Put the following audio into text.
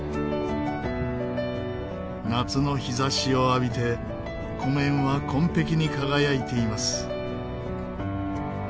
夏の日差しを浴びて湖面は紺碧に輝いています。